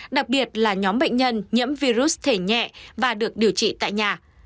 đặc biệt là nhóm bệnh nhân nhiễm virus thể nhẹ và được điều trị tại nhà